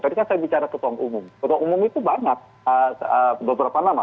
tadi kan saya bicara ketua umum ketua umum itu banyak beberapa nama